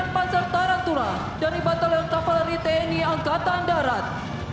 sembilan panzer tarantula dari batalion cavalry tni angkatan darat